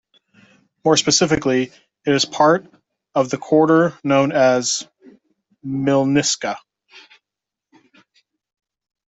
More specifically, it is part of the quarter known as Mlyniska.